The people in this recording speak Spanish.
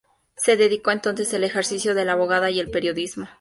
Se dedicó entonces al ejercicio de la abogacía y al periodismo.